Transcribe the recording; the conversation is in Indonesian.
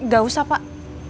gak usah pak